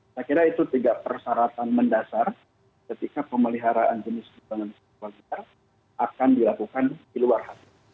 saya kira itu tiga persyaratan mendasar ketika pemeliharaan jenis tumbuhan dan satwa liar akan dilakukan di luar habitat